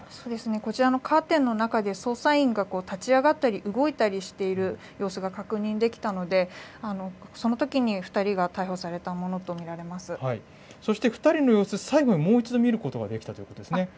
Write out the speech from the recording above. こちらのカーテンの中で、捜査員が立ち上がったり動いたりしている様子が確認できたので、そのときに２人が逮捕されたものとそして、２人の様子、最後にもう一度見ることができたということですね。